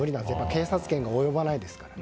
警察権が及ばないですからね。